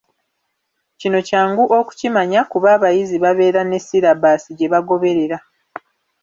Kino kyangu okukimanya, kuba abayizi babeera ne sirabaasi gye bagoberera.